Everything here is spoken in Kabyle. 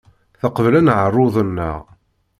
Teqbel aneɛruḍ-nneɣ.